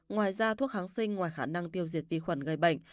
ngoài ra thuốc kháng sinh ngoài khả năng tiêu diệt vi khuẩn gây bệnh